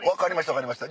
分かりました